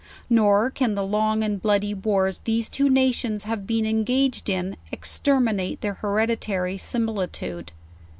Nor can the long and bloody wars these two nations have been engaged in, exterminate their hereditary similitude.